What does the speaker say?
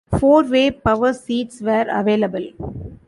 Four-way power seats were available.